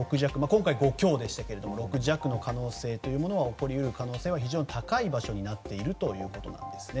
今回は５強でしたが６弱の地震が起こり得る可能性が非常に高い場所になっているということです。